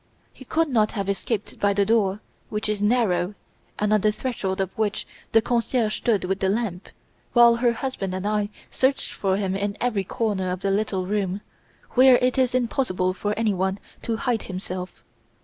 He could not have escaped by the door, which is narrow, and on the threshold of which the concierge stood with the lamp, while her husband and I searched for him in every corner of the little room, where it is impossible for anyone to hide himself.